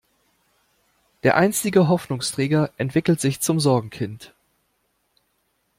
Der einstige Hoffnungsträger entwickelt sich zum Sorgenkind.